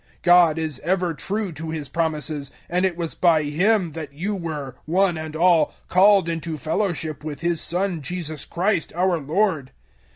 001:009 God is ever true to His promises, and it was by Him that you were, one and all, called into fellowship with his Son Jesus Christ, our Lord.